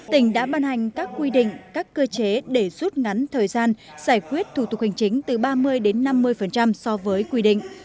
tỉnh đã ban hành các quy định các cơ chế để rút ngắn thời gian giải quyết thủ tục hành chính từ ba mươi đến năm mươi so với quy định